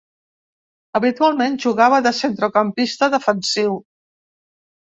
Habitualment jugava de centrecampista defensiu.